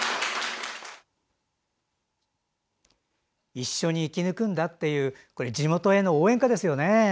一緒に生き抜くんだって地元への応援歌ですね。